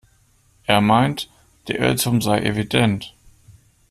Er meint, der Irrtum sei evident.